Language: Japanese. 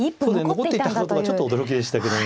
残っていたことがちょっと驚きでしたけども。